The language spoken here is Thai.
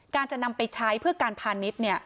จะนำไปใช้เพื่อการพาณิชย์